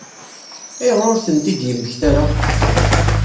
Ayɣer ur tent-id-yemmekta ara?